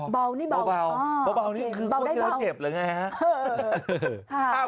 เบานี่เบาอ่ะโอเคเบานี่ก็คือพวกเจ้าเจ็บหรือไงครับ